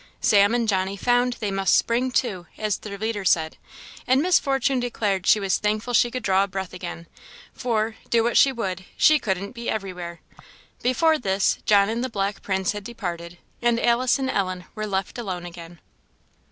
Sam and Johnny found they must "spring to," as their leader said; and Miss Fortune declared she was thankful she could draw a long breath again, for, do what she would, she couldn't be everywhere. Before this John and the Black Prince had departed, and Alice and Ellen were left alone again.